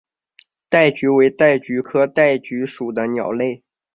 戴菊为戴菊科戴菊属的鸟类。